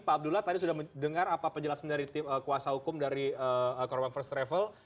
pak abdullah tadi sudah mendengar apa penjelasan dari tim kuasa hukum dari korban first travel